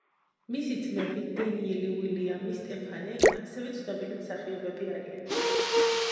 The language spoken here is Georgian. მისი ძმები დენიელი, უილიამი, სტეფანი ასევე ცნობილი მსახიობები არიან.